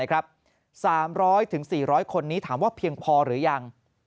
๓๐๐๔๐๐คนนี้ถามว่าเพียงพอหรือยัง